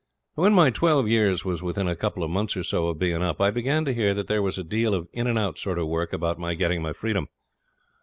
When my twelve years was within a couple of months or so of being up I began to hear that there was a deal of in and out sort of work about my getting my freedom.